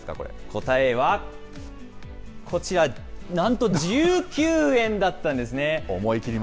答えはこちら、なんと、１９円だったんですね。